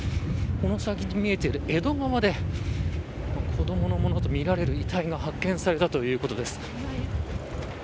この先に見えている江戸川で子どものものとみられる遺体が発見されたということです。